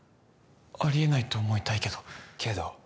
あり得ないと思いたいけどけど？